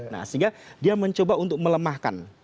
nah sehingga dia mencoba untuk melemahkan